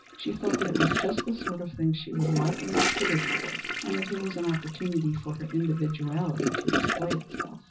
She felt that it was just the sort of thing she would like and was fitted for, and that here was an opportunity for her individuality to display itself.